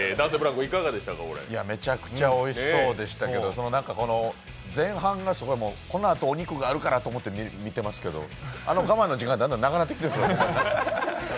めちゃめちゃおいしそうでしたけど前半がすごい、このあとお肉があるからと思って見てますけど、あの我慢の時間だんだんなくなってきてるんですよ。